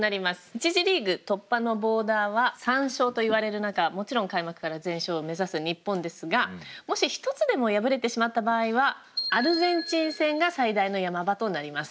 １次リーグ突破のボーダーは３勝といわれる中もちろん開幕から全勝を目指す日本ですがもし一つでも敗れてしまった場合はアルゼンチン戦が最大のヤマ場となります。